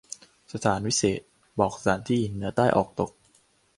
สถานวิเศษณ์ บอกสถานที่ เหนือ ใต้ ออก ตก